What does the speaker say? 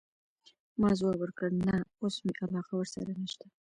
ما ځواب ورکړ: نه، اوس مي علاقه ورسره نشته.